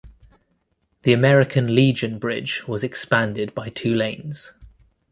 The American Legion Bridge was expanded by two lanes.